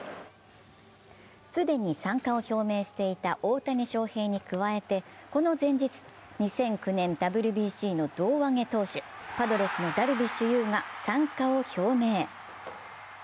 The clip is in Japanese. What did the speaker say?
既に参加を表明していた大谷翔平に加えてこの前日２００９年、ＷＢＣの胴上げ投手、パドレスのダルビッシュ有が参加を表明。